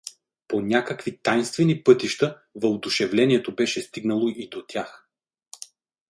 По някакви тайнствени пътища въодушевлението беше стигнало и до тях.